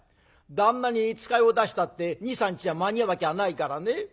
旦那に使いを出したって２３日じゃ間に合うわけはないからね。